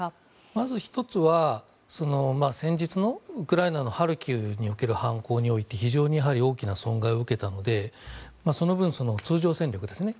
まず１つは先日のウクライナのハルキウにおける反攻において非常に大きな損害を受けたのでその分、通常戦力ですね